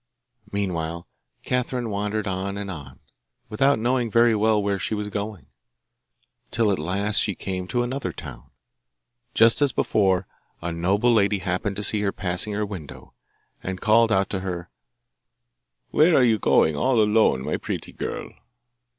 Meanwhile Catherine wandered on and on, without knowing very well where she was going, till at last she came to another town. Just as before, a noble lady happened to see her passing her window, and called out to her, 'Where are you going all alone, my pretty girl?